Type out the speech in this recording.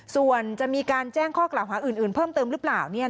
ส่วนจะมีการแจ้งข้อกล่าวหาอื่นเพิ่มเติมหรือเปล่า